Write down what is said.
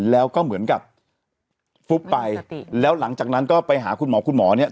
แล้วก็เหมือนกับฟุบไปแล้วหลังจากนั้นก็ไปหาคุณหมอคุณหมอเนี่ย